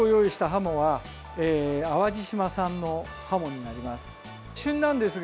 ハモは淡路島産のハモになります。